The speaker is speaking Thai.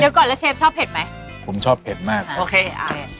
เดี๋ยวก่อนแล้วเชฟชอบเผ็ดไหมผมชอบเผ็ดมากโอเคอ่า